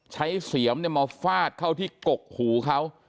เสียมมาฟาดเข้าที่กกหูเขา